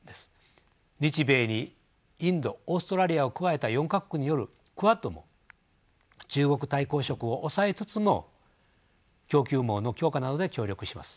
日米にインドオーストラリアを加えた４か国によるクアッドも中国対抗色を抑えつつも供給網の強化などで協力します。